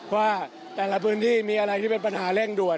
ว่าแต่ละพื้นที่มีอะไรที่เป็นปัญหาเร่งด่วน